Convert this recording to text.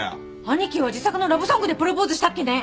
兄貴は自作のラブソングでプロポーズしたっけね。